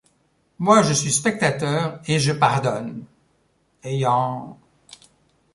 Moi, je suis spectateur, et je pardonne ; ayant